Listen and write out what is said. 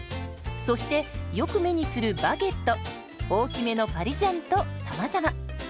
そしてよく目にするバゲット大きめのパリジャンとさまざま。